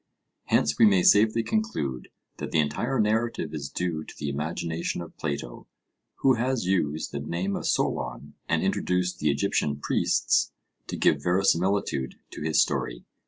Hence we may safely conclude that the entire narrative is due to the imagination of Plato, who has used the name of Solon and introduced the Egyptian priests to give verisimilitude to his story.